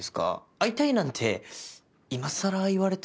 「会いたい」なんて今更言われても。